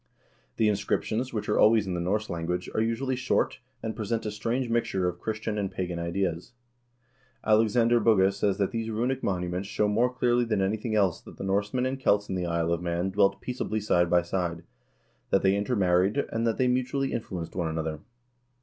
The inscriptions, which are always in the Norse language, are usually short, and present a strange mixture of Christian and pagan ideas.2 Alexander Bugge says that these runic monuments show more clearly than anything else that the Norsemen and Celts in the Isle of Man dwelt peaceably side by side, that they intermarried, and that they mutually influ enced one another.